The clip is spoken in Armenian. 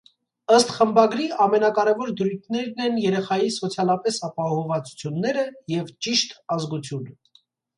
Ըստ խմբագրի՝ ամենակարևոր դրույթները են երեխայի «սոցիալապես ապահովվածությունները» և «ճիշտ» ազգությունը։